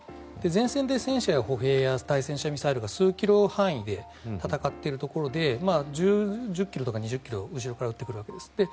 前線で戦車や歩兵や対戦車ミサイルが数キロ範囲で戦っているところで１０ｋｍとか２０ｋｍ後ろから撃ってくるわけです。